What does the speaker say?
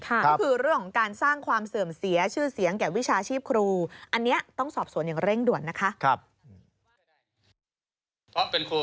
ก็คือเรื่องของการสร้างความเสื่อมเสียชื่อเสียงแก่วิชาชีพครู